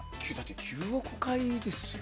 ９億回ですよ？